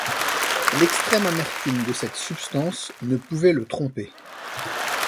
L’extrême amertume de cette substance ne pouvait le tromper